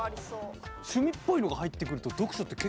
趣味っぽいのが入ってくると読書って結構。